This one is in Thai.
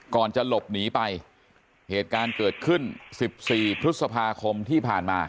ก่อนจะหลบหนีไปเหตุการณ์เกิดขึ้นสิบสี่พฤษภาคมที่ผ่านมา